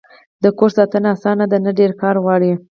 د کور ساتنه اسانه ده؟ نه، ډیر کار غواړی